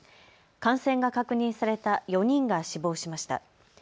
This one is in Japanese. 感染が確認された４人が死亡しました。